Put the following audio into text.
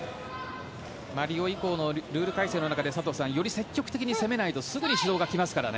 リオ以降のルール改正の中でより積極的に攻めないとすぐ指導が来ますからね。